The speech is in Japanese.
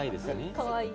かわいい。